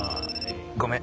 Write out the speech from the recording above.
ごめん。